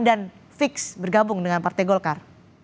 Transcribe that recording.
dan fix bergabung dengan partai golkar